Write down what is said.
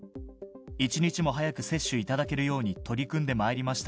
一日も早く接種いただけるように取り組んでまいりました